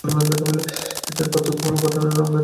এদের মধ্যে পার্থক্য হল গঠনগত এবং রঙের।